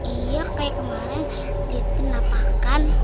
iya kayak kemarin di penapakan